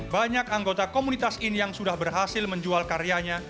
banyak anggota komunitas ini yang sudah berhasil menjual karyanya